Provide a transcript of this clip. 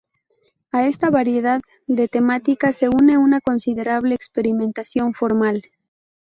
A esta variedad de temática se une una considerable experimentación formal.